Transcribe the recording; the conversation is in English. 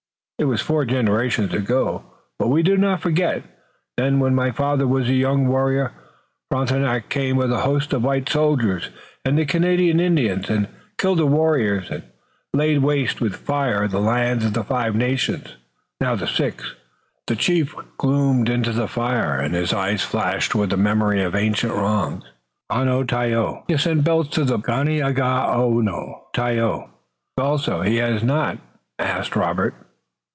It was four generations ago, but we do not forget. Then when my father was a young warrior Frontenac came with a host of white soldiers and the Canadian Indians and killed the warriors and laid waste with fire the lands of the Five Nations, now the Six. Can the Hodenosaunee forget?" The chief gloomed into the fire, and his eyes flashed with the memory of ancient wrongs. "Onontio has sent belts to the Ganeagaono also, has he not?" asked Robert.